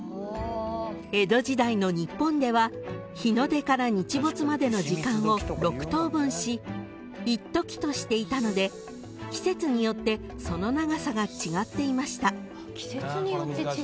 ［江戸時代の日本では日の出から日没までの時間を６等分し１刻としていたので季節によってその長さが違っていました］